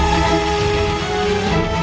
tidak tidak membunuhmu